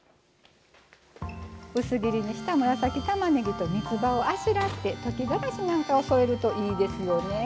薄切りにした紫たまねぎとみつばをあしらって溶きがらしなんかを添えるといいですよね。